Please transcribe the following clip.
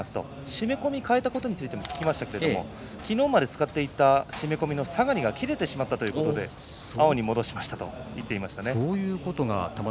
締め込みを替えたことについて聞きましたら昨日まで使っていた締め込みの下がりが切れてしまったので青に戻しましたと言っていました。